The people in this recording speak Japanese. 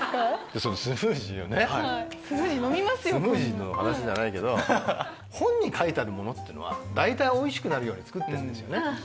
そのスムージーをねスムージーの話じゃないけど本に書いてあるものってのは大体おいしくなるように作ってんですよね。